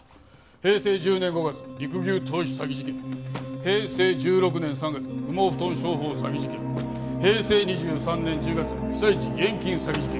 「平成１０年５月肉牛投資詐欺事件」「平成１６年３月羽毛布団商法詐欺事件」「平成２３年１０月被災地義援金詐欺事件」